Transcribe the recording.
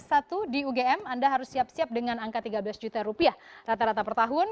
satu di ugm anda harus siap siap dengan angka tiga belas juta rupiah rata rata per tahun